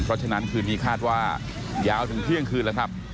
เพราะฉะนั้นคืนนี้คาดว่ายาวถึงเที่ยงคืนแล้วครับ